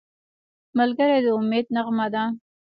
ملګری د امید نغمه ده